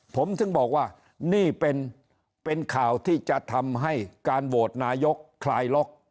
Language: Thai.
ผมถึงบอกว่านี่เป็นข่าวที่จะทำให้การโหวตนายกคลายล็อก